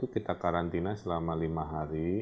kita karantina selama lima hari